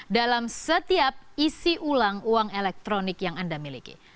dalam setiap isi ulang uang elektronik yang anda miliki